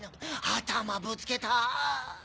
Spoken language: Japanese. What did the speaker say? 頭ぶつけたぁ。